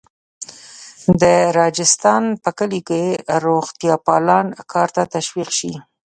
د راجستان په کلیو کې روغتیاپالان کار ته تشویق شي.